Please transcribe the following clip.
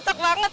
cocok kalau gitu